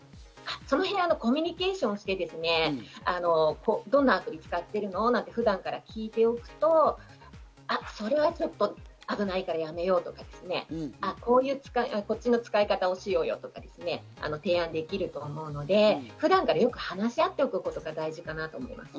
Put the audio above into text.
そのへんはコミュニケーションをして、どのアプリを使っているの？なんて普段から聞いておくと、それはちょっと危ないからやめようとか、こっちの使い方をしようよとか提案できると思うので、普段からよく話し合っておくことが大事かなと思います。